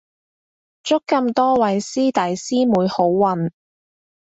祝咁多位師弟師妹好運